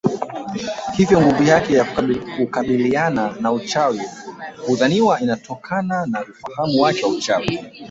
Hivyo nguvu yake ya kukabiliana na uchawi hudhaniwa inatokana na ufahamu wake wa uchawi